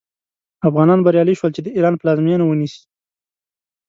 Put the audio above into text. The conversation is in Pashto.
افغانان بریالي شول چې د ایران پلازمینه ونیسي.